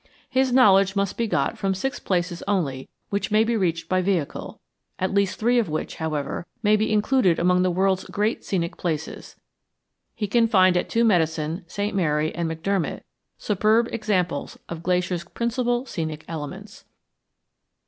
His knowledge must be got from six places only which may be reached by vehicle, at least three of which, however, may be included among the world's great scenic places. He can find at Two Medicine, St. Mary, and McDermott superb examples of Glacier's principal scenic elements.